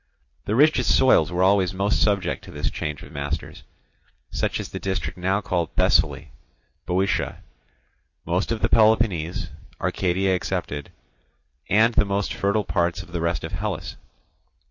The richest soils were always most subject to this change of masters; such as the district now called Thessaly, Boeotia, most of the Peloponnese, Arcadia excepted, and the most fertile parts of the rest of Hellas.